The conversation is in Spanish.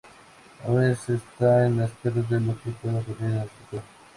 Aún se está a la espera de lo que pueda ocurrir en el futuro.